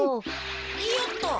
いよっと。